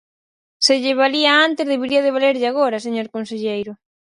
Se lle valía antes, debería de valerlle agora, señor conselleiro.